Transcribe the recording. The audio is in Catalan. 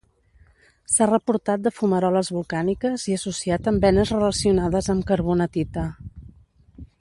S'ha reportat de fumaroles volcàniques i associat amb venes relacionades amb carbonatita.